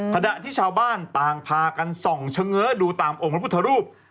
ขณะที่ชาวบ้านต่างพากันส่องเฉง้อดูตามองค์พระพุทธรูป